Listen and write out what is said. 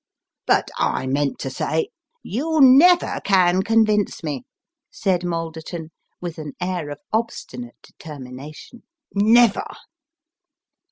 " But I meant to say " "You never can convince me," said Malderton, with an air of obstinate determination. " Never."